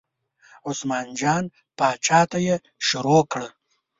عثمان جان پاچا ته یې شروع کړه.